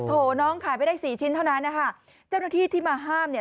น้องขายไปได้สี่ชิ้นเท่านั้นนะคะเจ้าหน้าที่ที่มาห้ามเนี่ย